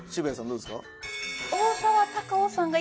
どうですか？